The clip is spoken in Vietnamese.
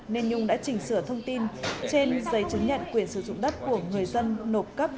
nên nhung đã chỉnh sửa thông tin trên giấy chứng nhận quyền sử dụng đất của người dân nộp cấp